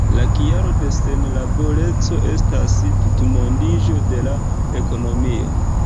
La kialo de senlaboreco estas tutmondiĝo de la ekonomio.